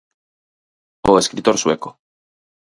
O escritor sueco.